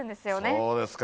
そうですか。